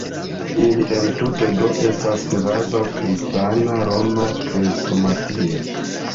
Ili entute do estas kvazaŭ «Kristana Roma Krestomatio».